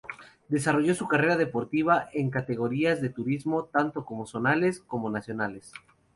Desarrolló su carrera deportiva en categorías de turismo tanto zonales, cono nacionales.